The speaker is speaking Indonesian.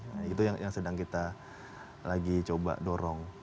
nah itu yang sedang kita lagi coba dorong